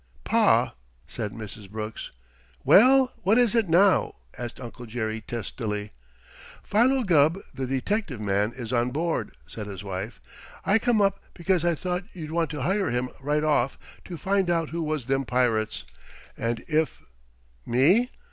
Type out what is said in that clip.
"Pa," said Mrs. Brooks. "Well, what is it now?" asked Uncle Jerry testily. "Philo Gubb, the detective man, is on board," said his wife. "I come up because I thought maybe you'd want to hire him right off to find out who was them pirates, and if " "Me?